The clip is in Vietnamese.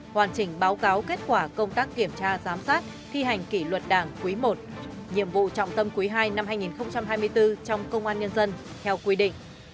hoàn chỉnh báo cáo kết quả công tác kiểm tra giám sát thi hành kỷ luật đảng quý i nhiệm vụ trọng tâm quý ii năm hai nghìn hai mươi bốn trong công an nhân dân theo quy định